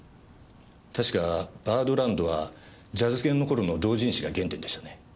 確か『バードランド』はジャズ研のころの同人誌が原点でしたね。